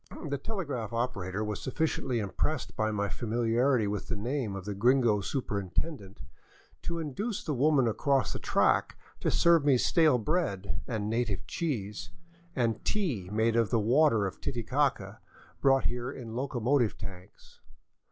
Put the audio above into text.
The telegraph operator was sufficiently impressed by my familiarity with the name of the gringo superintendent to induce the woman across the track to serve me stale bread and native cheese, and tea made of the water of Titicaca, brought here in locomotive tanks.